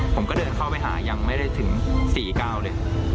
ผมก็เดินเข้าไปหายังไม่ได้ถึง๔๙เลย